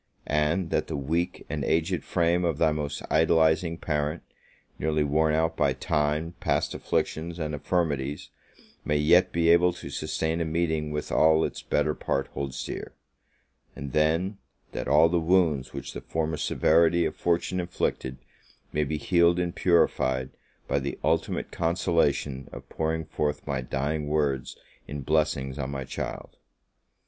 and that the weak and aged frame of thy almost idolizing parent, nearly worn out by time, past afflictions, and infirmities, may yet be able to sustain a meeting with all its better part holds dear; and then, that all the wounds which the former severity of fortune inflicted, may be healed and purified by the ultimate consolation of pouring forth my dying words in blessings on my child!